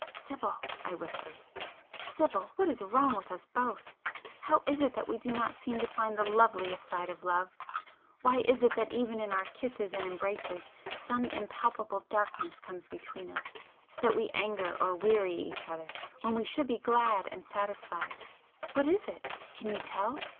"Sibyl!" I whispered—"Sibyl, what is wrong with us both? How is it that we do not seem to find the loveliest side of love?—why is it that even in our kisses and embraces, some impalpable darkness comes between us, so that we anger or weary each other when we should be glad and satisfied? What is it? Can you tell?